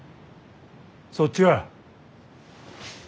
そっちは。